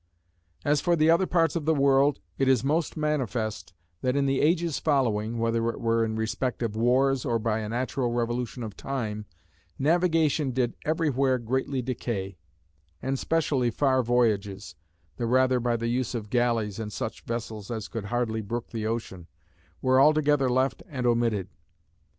"As for the other parts of the world, it is most manifest that in the ages following (whether it were in respect of wars, or by a natural revolution of time,) navigation did every where greatly decay; and specially far voyages (the rather by the use of galleys, and such vessels as could hardly brook the ocean,) were altogether left and omitted.